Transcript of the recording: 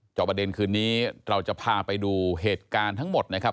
ประเด็นคืนนี้เราจะพาไปดูเหตุการณ์ทั้งหมดนะครับ